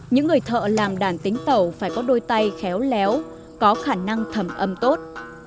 những người thợ làm đàn tính tẩu phải có đôi tay khéo léo có khả năng thẩm âm tốt